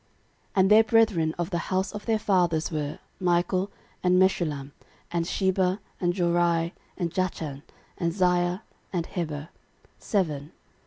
13:005:013 And their brethren of the house of their fathers were, Michael, and Meshullam, and Sheba, and Jorai, and Jachan, and Zia, and Heber, seven.